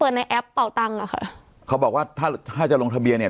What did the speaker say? ในแอปเป่าตังค์อ่ะค่ะเขาบอกว่าถ้าถ้าจะลงทะเบียนเนี่ย